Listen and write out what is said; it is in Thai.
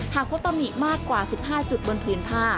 หากเขาต้องมีมากกว่า๑๕จุดบนพื้นผ้า